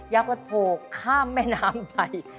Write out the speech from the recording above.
ยักษ์วัดโผกข้ามแม่น้ำไป